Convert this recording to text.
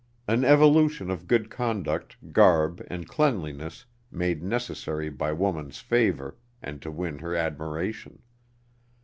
An evolution of good conduct, garb and cleanliness made necessary by woman's favor, and to win her admiration.